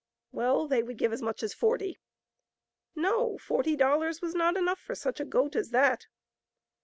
Well, they would give as much as forty. No ; forty dollars was not enough for such a goat as that.